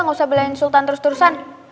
gak usah belain sultan terus terusan